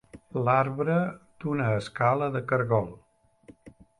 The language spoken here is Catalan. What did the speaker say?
L'arbre d'una escala de cargol.